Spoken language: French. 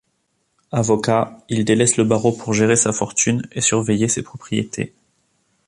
Avocat, il délaisse le barreau pour gérer sa fortune et surveiller ses propriétés.